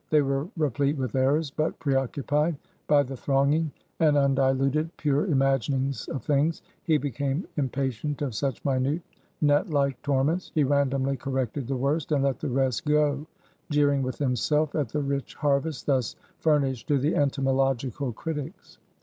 They were replete with errors; but preoccupied by the thronging, and undiluted, pure imaginings of things, he became impatient of such minute, gnat like torments; he randomly corrected the worst, and let the rest go; jeering with himself at the rich harvest thus furnished to the entomological critics.